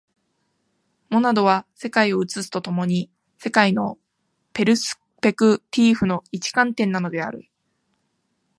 モナドは世界を映すと共に、世界のペルスペクティーフの一観点なのである。